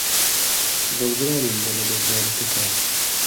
دڵگرانین بە لەدەستدانەکەتان.